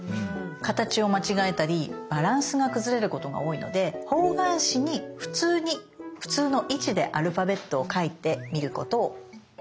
形を間違えたりバランスが崩れることが多いので方眼紙に普通に普通の位置でアルファベットを描いてみることをおすすめします。